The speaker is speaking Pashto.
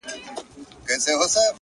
پاگل لگیا دی نن و ټول محل ته رنگ ورکوي!!